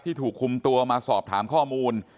ถูกคุมตัวมาสอบถามข้อมูล